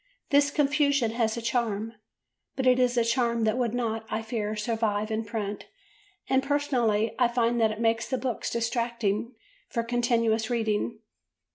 This confusion has a charm, but it is a charm that would not, I fear, survive in print and, personally, I find that it makes the books distracting for continuous reading.